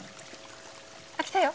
あっ来たよ。